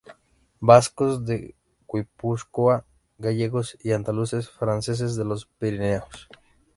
Vascos de Guipúzcoa, gallegos y andaluces, franceses de los pirineos.